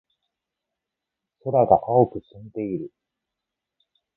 空が青く澄んでいる。